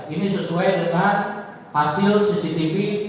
ini sesuai dengan hasil cctv